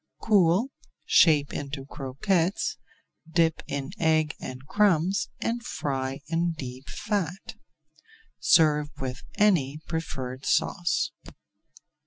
Cool, shape into croquettes, dip in egg and crumbs, and fry in deep fat. Serve with any preferred sauce.